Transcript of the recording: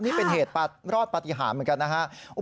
นี่เป็นเหตุรอดปฏิหารเหมือนกันนะฮะ